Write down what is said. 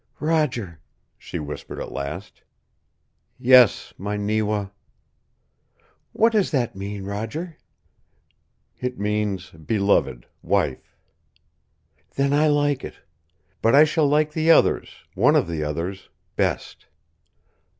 "Roger," she whispered at last. "Yes, my NEWA " "What does that mean, Roger?" "It means beloved wife" "Then I like it. But I shall like the others one of the others best."